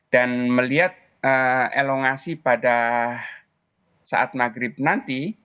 dan melihat elongasi pada saat maghrib nanti